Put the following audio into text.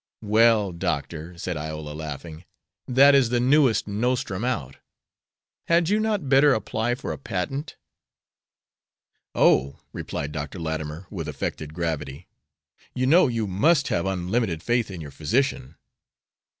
"Well, Doctor," said Iola, laughing, "that is the newest nostrum out. Had you not better apply for a patent?" "Oh," replied Dr. Latimer, with affected gravity, "you know you must have unlimited faith in your physician."